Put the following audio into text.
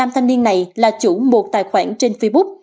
năm thanh niên này là chủ một tài khoản trên facebook